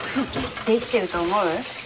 できてると思う？